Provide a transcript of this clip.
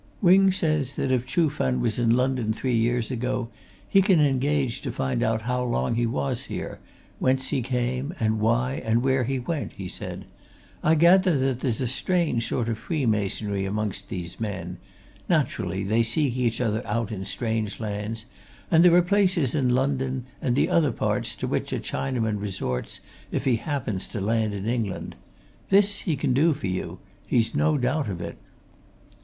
"Wing says that if Chuh Fen was in London three years ago he can engage to find out how long he was here, whence he came and why, and where he went," he said. "I gather that there's a sort of freemasonry amongst these men naturally, they seek each other out in strange lands, and there are places in London and the other parts to which a Chinaman resorts if he happens to land in England. This he can do for you he's no doubt of it."